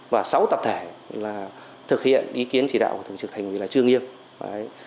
và sáu tập thể thực hiện ý kiến chỉ đạo của thượng trưởng thành ủy là chương nghiêm